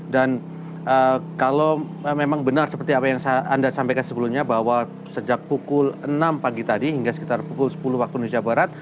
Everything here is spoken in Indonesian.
dan kalau memang benar seperti apa yang anda sampaikan sebelumnya bahwa sejak pukul enam pagi tadi hingga sekitar pukul sepuluh waktu indonesia barat